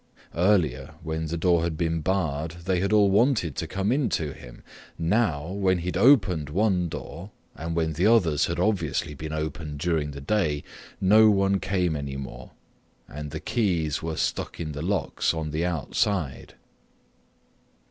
Earlier, when the door had been barred, they had all wanted to come in to him; now, when he had opened one door and when the others had obviously been opened during the day, no one came any more, and the keys were stuck in the locks on the outside.